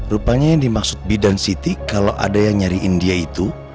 rupanya ini maksud bidan siti kalau ada yang nyariin dia itu